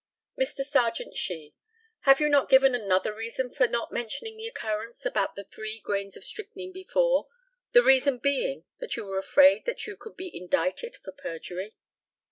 Mr. Serjeant SHEE: Have you not given another reason for not mentioning the occurrence about the three grains of strychnine before that reason being that you were afraid you could be indicted for perjury?